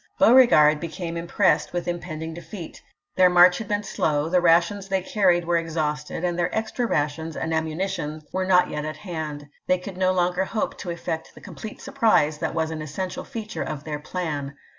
Beauregard became im pressed with impending defeat; their march had been slow, the rations they carried were exhausted, and theii' extra rations and ammunition were not yet at hand. They could no longer hope to effect the complete surprise that was an essential feature of their plan.